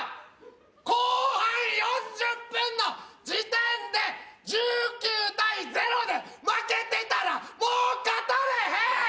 後半４０分の時点で１９対０で負けてたらもう勝たれへん！